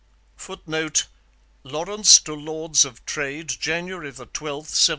[Footnote: Lawrence to Lords of Trade, January 12, 1755.